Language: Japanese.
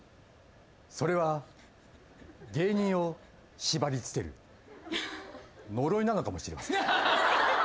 それは芸人を縛り付ける呪いなのかもしれません。